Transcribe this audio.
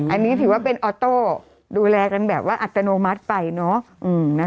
อันนี้ถือว่าเป็นออโต้ดูแลกันแบบว่าอัตโนมัติไปเนอะ